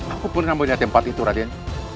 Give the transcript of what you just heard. aku pernah melihat tempat itu raden